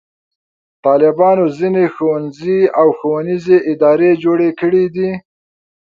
طالبانو ځینې ښوونځي او ښوونیزې ادارې جوړې کړې دي.